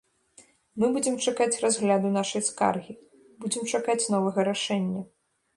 Мы будзем чакаць разгляду нашай скаргі, будзем чакаць новага рашэння.